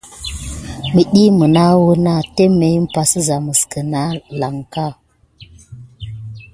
Midi vas kis nina nokt miwuk a valankila may kiban pay yanki temé kina sisayan.